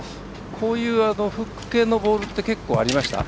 こういうフック系のボールって結構、ありました？